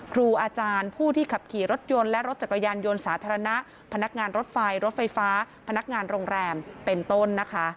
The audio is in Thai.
ครูอาจารย์ผู้ที่ขับขี่รถยนต์และรถจักรยานยนต์สาธารณะพนักงานรถไฟรถไฟฟ้าพนักงานโรงแรมเป็นต้นนะคะ